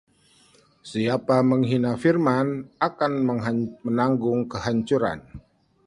Siapa menghina firman akan menanggung kehancuran